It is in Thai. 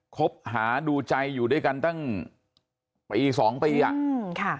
คบหาดูใจอยู่ด้วยกันตั้งปี๒ปีอ่ะ